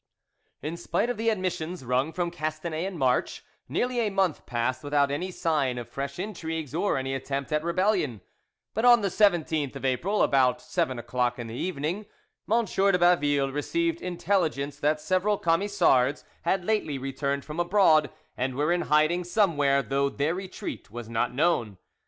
In spite of the admissions wrung from Castanet in March, nearly a month passed without any sign of fresh intrigues or any attempt at rebellion. But on the 17th of April, about seven o'clock in the evening, M. de Baville received intelligence that several Camisards had lately returned from abroad, and were in hiding somewhere, though their retreat was not known.